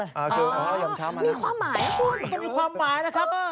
อ๋อยามเช้ามั้นนะครับมีความหมายนะครับอ้าวมีความหมายนะครับ